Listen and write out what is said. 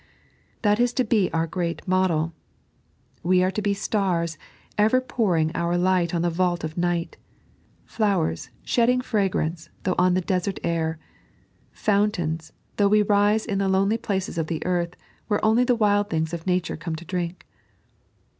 That is to be our great model. We are to be stars, ever pouring our light on the vault of night ; flowers, shedding fn^;rance, though on the desert air ; fountains, though we rise in the lonely places of the earth, where only the wild things of nature come to drink.